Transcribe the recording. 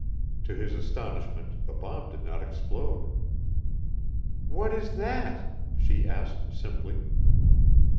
To his astonishment the bomb did not explode. "What is that?" she asked, simply.